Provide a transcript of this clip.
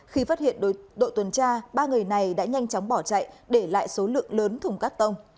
khi phát hiện đội tuần tra ba người này đã nhanh chóng bỏ chạy để lại số lượng lớn thùng cắt tông